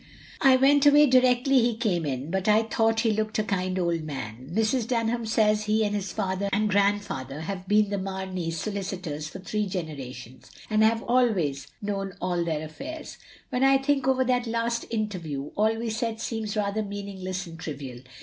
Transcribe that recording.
*"/ went away directly he came in, but I ^taught he looked a kind old man. Mrs. Dunham says he and his father and grandfather have been the OF GROSVENOR SQUARE 63 Mamey's solicitors for three generations, and have always known all their affairs. ''When I think over that last interview^ all we said seems rather meaningless and trivial.